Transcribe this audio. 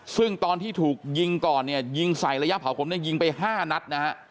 ซึ่งตอนที่ถูกยิงก่อนยิงใส่ระยะเผาขนยิงไป๕นัท